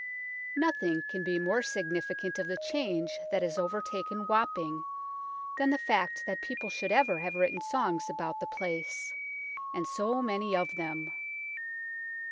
" NOTHING can be more significant of the change that has overtaken Wapping than the fact that people should ever have written songs about the place and so many of them.